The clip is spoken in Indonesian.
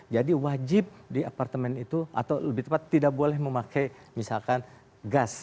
jadi wajib di apartemen itu atau lebih tepat tidak boleh memakai misalkan gas